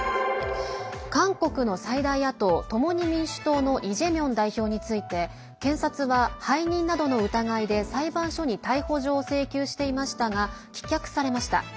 韓国の最大野党、共に民主党のイ・ジェミョン代表について検察は背任などの疑いで裁判所に逮捕状を請求していましたが棄却されました。